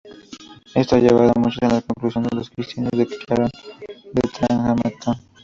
Esto ha llevado a muchos a la conclusión que los cristianos desecharon el Tetragrámaton.